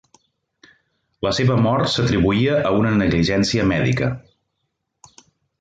La seva mort s'atribuïa a una negligència mèdica.